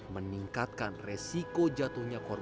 meningkatkan resiko jatuhnya berat